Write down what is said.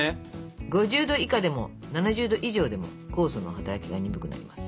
５０℃以下でも７０℃以上でも酵素の働きが鈍くなります。